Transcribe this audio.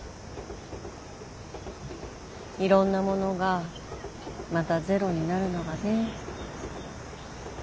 いろんなものがまたゼロになるのがね。